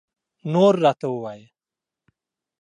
نور راته ووایه